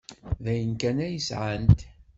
D ayen kan ay sɛant.